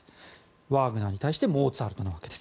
ワーグナーに対してモーツァルトなわけです。